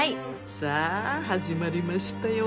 さあ始まりましたよ。